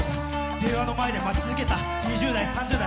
「電話の前で待ち続けた２０代、３０代」